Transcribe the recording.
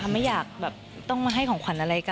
ไม่อยากแบบต้องมาให้ของขวัญอะไรกัน